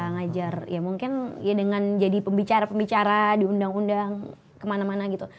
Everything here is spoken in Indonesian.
ngajar ya mungkin ya dengan jadi pembicara pembicara di undang undang kemana mana gitu